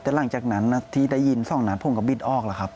แต่หลังจากนั้นที่ได้ยินสองนัดผมก็บิดออกแล้วครับ